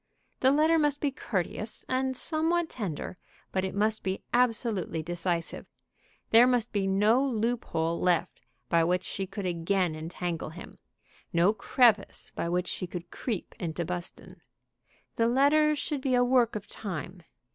The letter must be courteous, and somewhat tender, but it must be absolutely decisive. There must be no loop hole left by which she could again entangle him, no crevice by which she could creep into Buston. The letter should be a work of time.